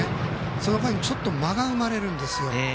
その間に、ちょっと間が生まれるんですよ。